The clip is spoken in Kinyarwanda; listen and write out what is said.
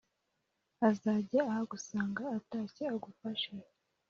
azajya ahagusanga atashye agufashe